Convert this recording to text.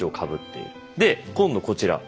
で今度こちら。